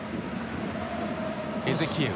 エゼキエウ。